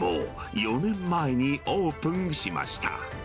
４年前にオープンしました。